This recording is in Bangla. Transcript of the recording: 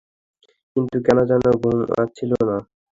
কিন্তু কেন যেন ঘুম আসছিলনা।